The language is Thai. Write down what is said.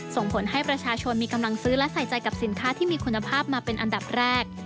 ส่งผลให้ประชาชนมีกำลังซื้อและใส่ใจกับสินค้าที่มีคุณภาพมาเป็นอันดับแรก